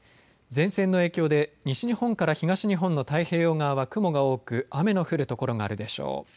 前線の影響で西日本から東日本の太平洋側は雲が多く雨の降る所があるでしょう。